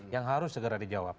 yang harus segera dijawab